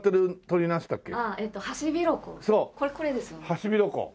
ハシビロコウ。